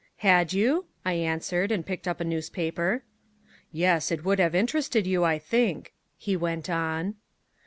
"Had you?" I answered, and picked up a newspaper. "Yes. It would have interested you, I think," he went on.